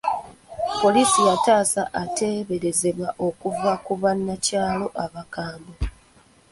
Poliisi yataasa ateeberezebwa okuva ku bannakyalo abakwambwe.